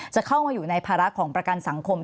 จะเข้ามาอยู่ในภาระของประกันสังคม